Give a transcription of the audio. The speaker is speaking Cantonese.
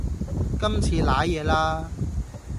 今次賴嘢啦